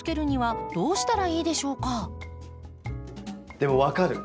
でも分かる。